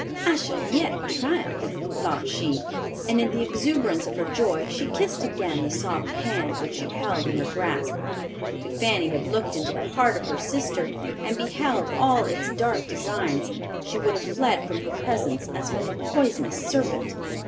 "I shall yet triumph," thought she, and, in the exuberance of her joy, she kissed again the soft hand which she held in her grasp. Could Fanny have looked into the heart of her sister, and beheld all its dark designs, she would have fled from her presence as from a poisonous serpent.